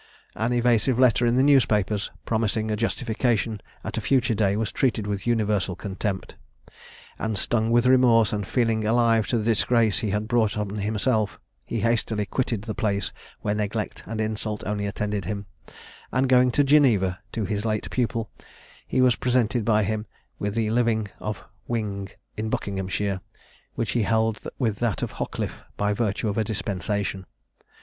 An evasive letter in the newspapers, promising a justification at a future day, was treated with universal contempt; and stung with remorse, and feelingly alive to the disgrace he had brought on himself, he hastily quitted the place where neglect and insult only attended him, and going to Geneva to his late pupil, he was presented by him with the living of Winge in Buckinghamshire, which he held with that of Hockliffe, by virtue of a dispensation.